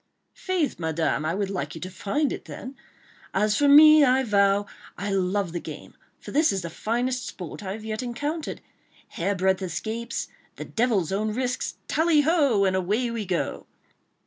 "Faith, Madame, I would like you to find it then ... as for me, I vow, I love the game, for this is the finest sport I have yet encountered.—Hair breadth escapes ... the devil's own risks!—Tally ho!—and away we go!"